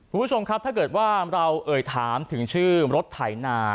คุณผู้ชมครับถ้าเกิดว่าเราเอ่ยถามถึงชื่อรถไถนา